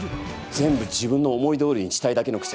全部自分の思いどおりにしたいだけのくせに。